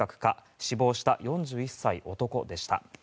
死亡した４１歳男でした。